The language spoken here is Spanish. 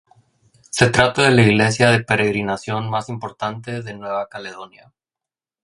Se trata de la iglesia de peregrinación más importante de Nueva Caledonia.